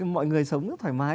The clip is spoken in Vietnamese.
mọi người sống rất thoải mái